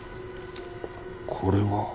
これは。